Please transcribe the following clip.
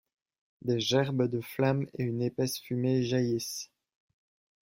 Des gerbes de flammes et une épaisse fumée jaillissent.